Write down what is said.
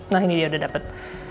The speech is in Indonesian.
nah ini dia udah dapat